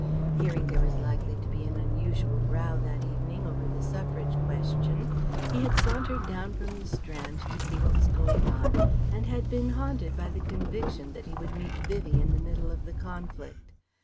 Hearing there was likely to be an unusual row that evening over the Suffrage question he had sauntered down from the Strand to see what was going on and had been haunted by the conviction that he would meet Vivie in the middle of the conflict.